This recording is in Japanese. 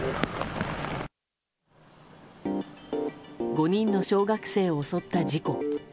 ５人の小学生を襲った事故。